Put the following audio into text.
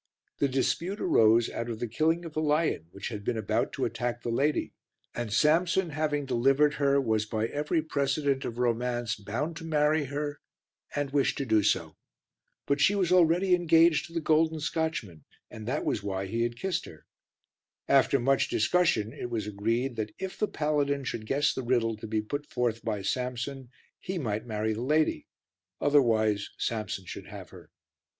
The dispute arose out of the killing of the lion which had been about to attack the lady, and Samson, having delivered her, was by every precedent of romance bound to marry her and wished to do so. But she was already engaged to the golden Scotchman, and that was why he had kissed her. After much discussion it was agreed that if the paladin should guess the riddle to be put forth by Samson he might marry the lady, otherwise Samson should have her.